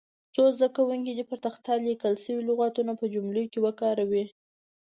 څو زده کوونکي دې پر تخته لیکل شوي لغتونه په جملو کې وکاروي.